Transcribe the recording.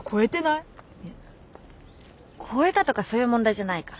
いや超えたとかそういう問題じゃないから。